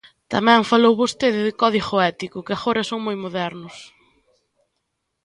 Tamén falou vostede de código ético, que agora son moi modernos.